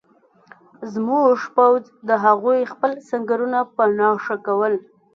زموږ پوځ د هغوی خپل سنګرونه په نښه کول